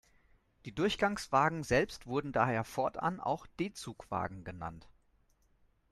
Die Durchgangswagen selbst wurden daher fortan auch D-Zug-Wagen genannt.